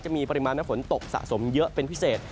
มีปริมาณฝนตกสะสมเยอะเป็นพิเศษ